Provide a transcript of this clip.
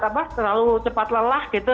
terlalu cepat lelah gitu